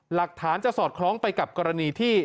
หลักฐานจะสอดคล้องไปกับกรณีที่